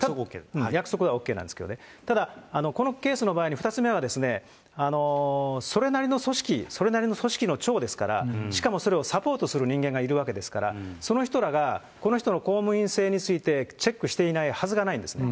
約束はＯＫなんですけれども、ただこのケースの場合に２つ目は、それなりの組織、それなりの組織の長ですから、しかもそれをサポートする人間がいるわけですから、その人らが、この人の公務員性についてチェックしていないはずがないんですね。